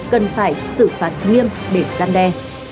cần phải xử phạt nghiêm để giam đe